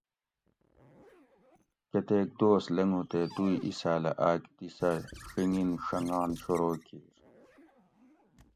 کتیک دوس لنگو تے دوئ ایساۤلہ آک دی سہ ڛیگین ڛنگان شروع کِیر